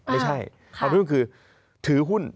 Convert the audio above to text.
ไม่ใช่ออมในหุ้นคือถือหุ้น